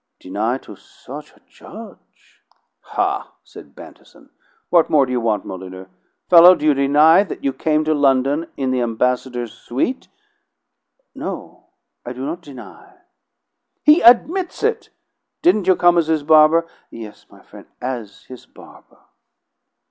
"Deny to a such judge?" "Ha!" said Bantison. "What more do you want, Molyneux? Fellow, do you deny that you came to London in the ambassador's suite?" "No, I do not deny." "He admits it! Didn't you come as his barber?" "Yes, my frien', as his barber."